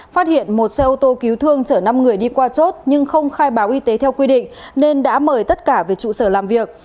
phát hiện một xe ô tô cứu thương chở năm người đi qua chốt nhưng không khai báo y tế theo quy định nên đã mời tất cả về trụ sở làm việc